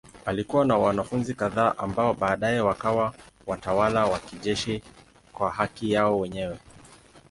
Alikuwa na wanafunzi kadhaa ambao baadaye wakawa watawala wa kijeshi kwa haki yao wenyewe.